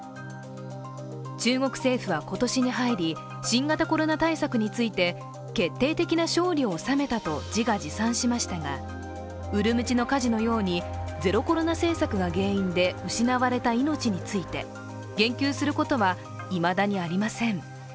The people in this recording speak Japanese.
中国政府は今年に入り、新型コロナ対策について決定的な勝利を収めたと自画自賛しましたがウルムチの火事のようにゼロコロナ政策が原因で失われた命について言及することはいまだにありません。